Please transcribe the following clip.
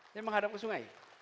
ini menghadap ke sungai